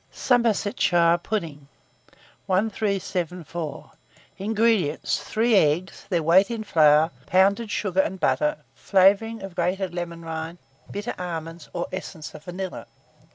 SOMERSETSHIRE PUDDINGS. 1374. INGREDIENTS. 3 eggs, their weight in flour, pounded sugar and butter, flavouring of grated lemon rind, bitter almonds, or essence of vanilla.